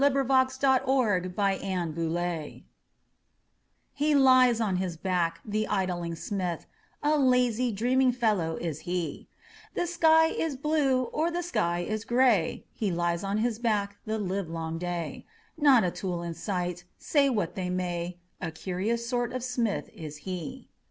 Helen Hunt Jackson The Poet's Forge HE lies on his back, the idling smith, A lazy, dreaming fellow is he; The sky is blue, or the sky is gray, He lies on his back the livelong day, Not a tool in sight, say what they may, A curious sort of smith is he.